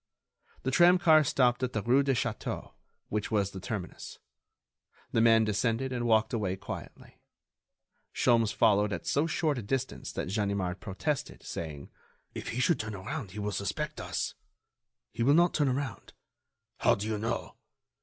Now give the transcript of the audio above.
The tramcar stopped at the rue de Château, which was the terminus. The man descended and walked away quietly. Sholmes followed at so short a distance that Ganimard protested, saying: "If he should turn around he will suspect us." "He will not turn around." "How do you know?"